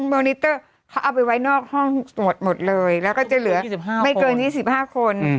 เบอร์นิเตอร์เขาเอาไปไว้นอกห้องตรวจหมดเลยแล้วก็จะเหลือไม่เกิน๒๕คน